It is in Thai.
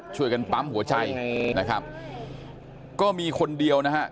ช่วยกันปั๊มหัวใจนะครับก็มีคนเดียวนะฮะ